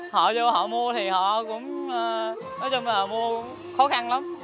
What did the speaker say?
họ vô họ mua thì họ cũng nói chung là mua khó khăn lắm